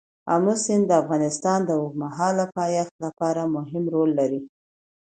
آمو سیند د افغانستان د اوږدمهاله پایښت لپاره مهم رول لري.